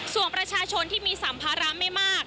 ส่วนประชาชนที่มีสัมภาระไม่มาก